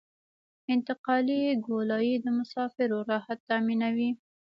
انتقالي ګولایي د مسافرو راحت تامینوي